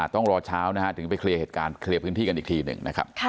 ต้องรอเช้าถึงไปเคลียร์พื้นที่กันอีกทีหนึ่ง